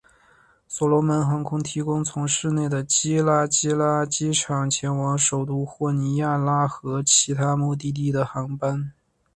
所罗门航空提供从市内的基拉基拉机场前往首都霍尼亚拉和其他目的地的航班。